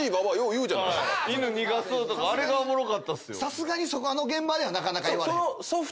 さすがにあの現場ではなかなか言われへん。